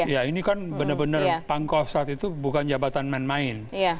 ya ini kan benar benar pangkostrat itu bukan jabatan main main